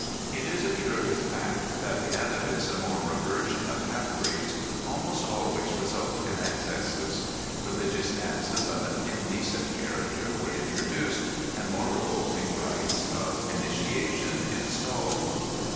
It is a curious fact that the avatism or reversion of half breeds almost always result in excesses. Religious dances of an indecent character were introduced and more revolting rites of initiation installed.